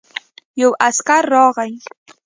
يو عسکر راغی.